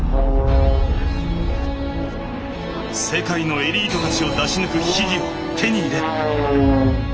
世界のエリートたちを出し抜く秘技を手に入れ。